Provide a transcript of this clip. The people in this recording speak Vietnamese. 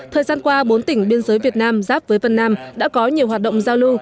thời gian qua bốn tỉnh biên giới việt nam giáp với vân nam đã có nhiều hoạt động giao lưu